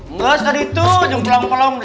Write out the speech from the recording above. enggak setelah itu jangan pelong pelong